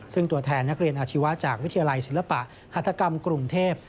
ซึ่งตัวแทนนักเรียนอาชีวะจากวิทยาลัยศิลปะหัฐกรรมกรุงเทพ